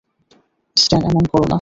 স্ট্যান, এমন কোরো না।